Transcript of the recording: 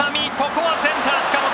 ここはセンター、近本！